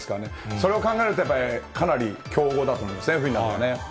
そう考えると、かなり強豪たと思いますね、フィンランドね。